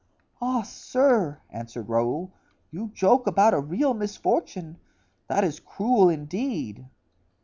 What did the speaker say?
"Ah, sir!" answered Raoul, "you joke about a real misfortune; that is cruel, indeed."